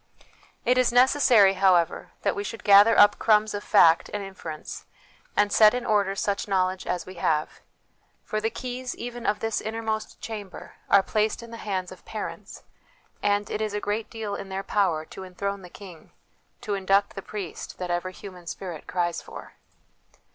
It is necessary, however, that we should gather up crumbs of fact and infer ence, and set in order such knowledge as we have ; for the keys even of this innermost chamber are 1 Maurice, Sermons on Sacrifice. 34 2 HOME EDUCATION placed in the hands of parents, and it is a great deal in their power to enthrone the King, to induct the Priest, that every human spirit cries for.